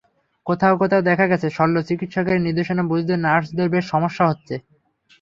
কোথাও কোথাও দেখা গেছে শল্যচিকিৎসকের নির্দেশনা বুঝতে নার্সদের বেশ সমস্যা হচ্ছে।